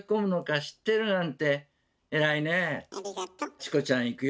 チコちゃんいくよ。